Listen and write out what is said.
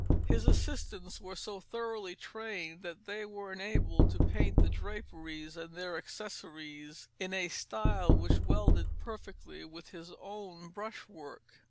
His assistants were so thoroughly trained that they were enabled to paint the draperies and their accessories in a style which welded perfectly with his own brushwork.